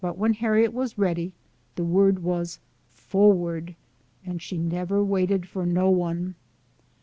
59 when Harriet was ready, the word was " For ward !" and she " nebber waited for no one."